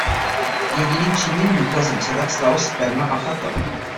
Jediným přímým důkazem se tak stalo sperma pachatele.